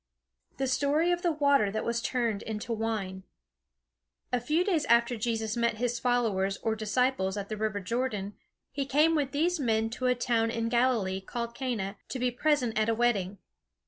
THE STORY OF THE WATER THAT WAS TURNED INTO WINE A few days after Jesus met his followers or disciples at the river Jordan, he came with these men to a town in Galilee called Cana, to be present at a wedding.